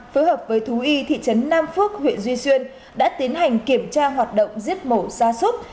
phối hợp với thú y thị trấn nam phước huyện duy xuyên đã tiến hành kiểm tra hoạt động giết mổ ra súc